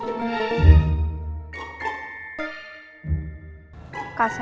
aku mau ke rumah